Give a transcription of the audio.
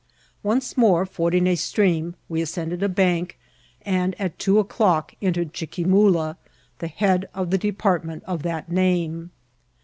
Once more fording a stream, we ascended a bank, and at two o'clock enter* ed Chiquimula, the head of the department of that name.